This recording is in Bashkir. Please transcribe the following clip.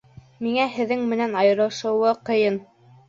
Миңә һеҙҙең менән айырылышыуы ҡыйын